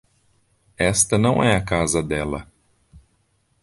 Esta não é a casa dela.